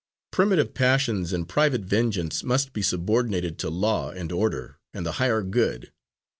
Primitive passions and private vengeance must be subordinated to law and order and the higher good.